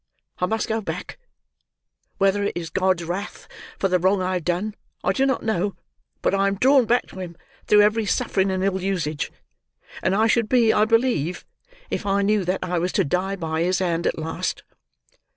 I must go back. Whether it is God's wrath for the wrong I have done, I do not know; but I am drawn back to him through every suffering and ill usage; and I should be, I believe, if I knew that I was to die by his hand at last."